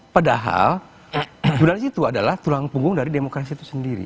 padahal juralis itu adalah tulang punggung dari demokrasi itu sendiri